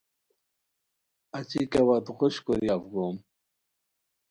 اچی کیہ وت غوش کوری اف گوم